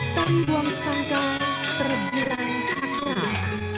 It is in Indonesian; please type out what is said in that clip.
tari buang sangkal terkirai saklar